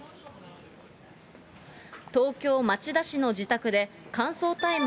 東京・町田市の自宅で、乾燥大麻